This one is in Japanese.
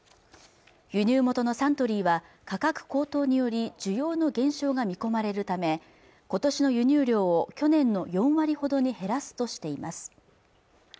輸入元のサントリーは価格高騰により需要の減少が見込まれるため今年の輸入量を去年の４割ほどに減らすとしています